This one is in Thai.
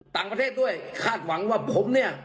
ต่างประเทศด้วยคาดหวังว่าผมเนี่ย